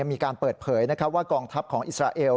มีการเปิดเผยว่ากองทัพของอิสราเอล